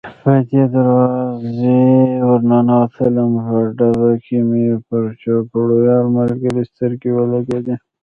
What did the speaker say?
په یوې دروازې ور ننوتلم، په ډبه کې مې پر چوپړوال ملګري سترګې ولګېدې.